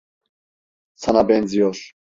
Sana benziyor.